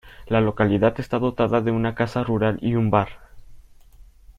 La localidad está dotada de una casa rural y un bar.